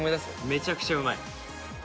めちゃくちゃうまい！